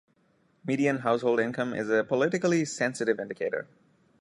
Median household income is a politically sensitive indicator.